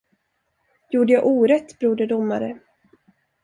Gjorde jag orätt, broder domare?